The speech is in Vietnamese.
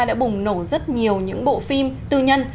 đã bùng nổ rất nhiều những bộ phim tư nhân